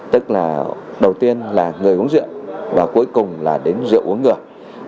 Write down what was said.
tức là đầu tiên là người uống rượu và cuối cùng là đến rượu uống người